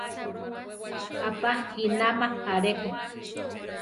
Apajínama aleko.